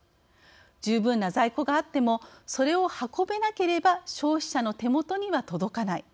十分な在庫があってもそれを運べなければ消費者の手元には届かない。